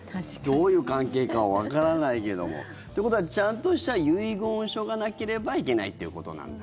どういう関係かはわからないけども。ということはちゃんとした遺言書がなければいけないということなんだ。